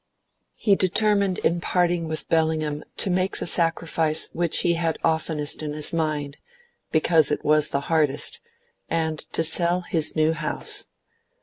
He determined in parting with Bellingham to make the sacrifice which he had oftenest in his mind, because it was the hardest, and to sell his new house.